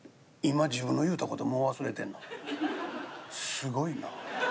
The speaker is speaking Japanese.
すごいな。